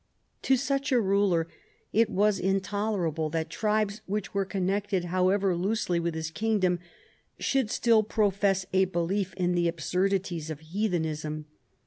To such a ruler it was intolerable that tribes which were connected, however loosely, with his kingdom should still pro fess a belief in the absurdities of heathenism.